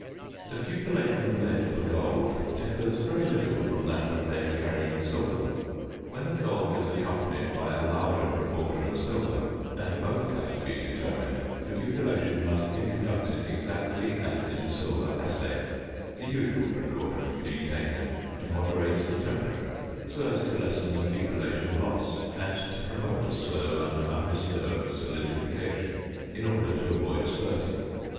~ The cupellation of lead for gold differs very little from that of lead carrying silver. When the gold is accompanied by a larger proportion of silver, and both have to be determined, the cupellation must be conducted exactly as in a silver assay, the usual precautions being taken to moderate the temperature so as to lessen the cupellation loss and to promote a slow and undisturbed solidification in order to avoid spirting.